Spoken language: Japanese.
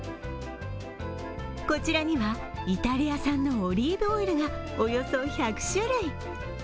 こちらには、イタリア産のオリーブオイルがおよそ１００種類。